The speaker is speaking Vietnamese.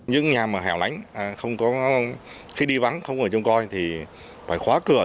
những nhà mà hẻo lánh khi đi vắng không ở trong coi thì phải khóa cửa